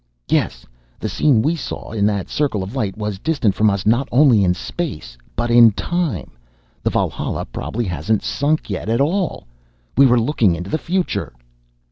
"Yes. The scene we saw in that circle of light was distant from us not only in space but in time. The Valhalla probably hasn't sunk yet at all. We were looking into the future!"